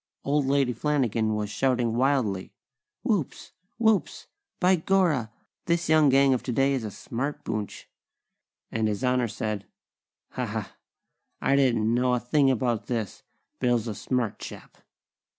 Old Lady Flanagan was shouting wildly: "Whoops! Whoops! By gorra! This young gang of today is a smart boonch!" and His Honor said: "Ha, ha! I didn't know a thing about this! Bill's a smart chap!"